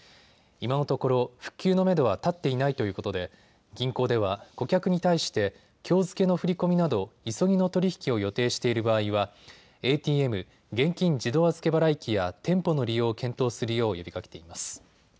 今のところ復旧のめどは立っていないということで銀行では顧客に対してきょう付けの振り込みなど急ぎの取り引きを予定している場合はＡＴＭ・現金自動預け払い機や店舗の利用を検討するよう呼びかけています。